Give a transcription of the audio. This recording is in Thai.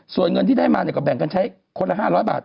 ส่วนเงินที่ได้มาเนี่ยก็แบ่งกันใช้คนละ๕๐๐บาท